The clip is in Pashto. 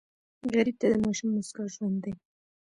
غریب ته د ماشوم موسکا ژوند دی